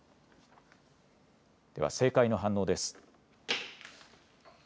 では、政界の反応です。